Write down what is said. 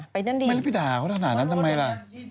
ไม่เรียบไปด่าเวราไทยนั่นนั้นทำไมล่ะ